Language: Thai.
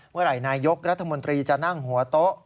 เมื่อไหร่นายยกรัฐมนตรีจะนั่งหัวโต๊ะ